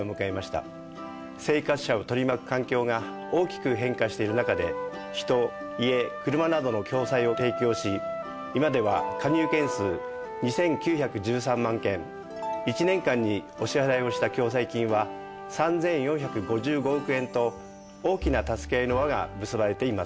生活者を取り巻く環境が大きく変化している中で人家車などの共済を提供し今では加入件数２９１３万件１年間にお支払いをした共済金は３４５５億円と大きなたすけあいの輪が結ばれています。